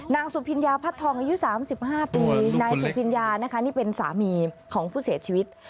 นางสุพิญญาพัดทองอายุ๓๕ปีนายสุพิญญานะคะนี่เป็นสามีของผู้เสียชีวิต